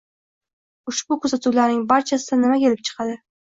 Ushbu kuzatuvlarning barchasidan nima kelib chiqadi?